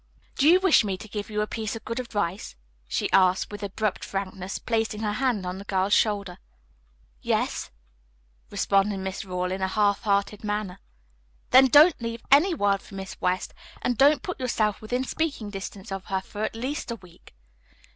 "Do you wish me to give you a piece of good advice?" she asked with abrupt frankness, placing her hand on the girl's shoulder. "Yes," responded Miss Rawle in a halfhearted manner. "Then don't leave any word for Miss West, and don't put yourself within speaking distance of her for at least a week."